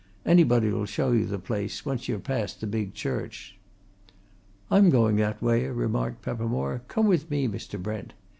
Anybody'll show you the place, once you're past the big church." "I'm going that way," remarked Peppermore. "Come with me, Mr. Brent."